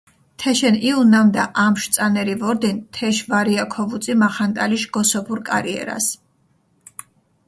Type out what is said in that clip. თეშენ იჸუ, ნამდა ამშვ წანერი ვორდინ თეშ ვარია ქოვუწი მახანტალიშ გოსოფურ კარიერას.